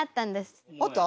あった？